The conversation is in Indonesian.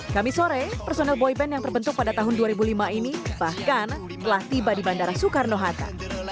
kami sore personel boyband yang terbentuk pada tahun dua ribu lima ini bahkan telah tiba di bandara soekarno hatta